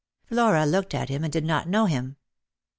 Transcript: Flora looked at him and did not know him.